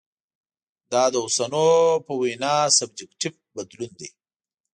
دا د اوسنو په وینا سبجکټیف بدلون دی.